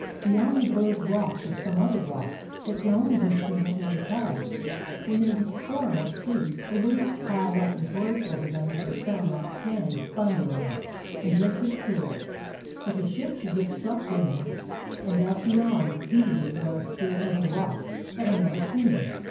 Beyond the bird rocks are some other rock's that can only be seen at low tide. When there 's a storm at sea the waves pile up and break over them with a sound like cannon thundering; and just as cruel, if a ship should get sucked in there. 218 A CALIFORNIA SEA DOG And out beyond these there are still other rocks that are never seen.